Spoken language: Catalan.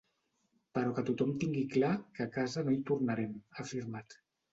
Però que tothom tingui clar que a casa no hi tornarem, ha afirmat.